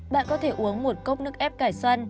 bạn có thể uống một cốc nước ép cải săn